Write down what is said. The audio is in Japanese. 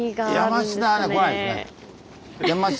山科はね来ないですね。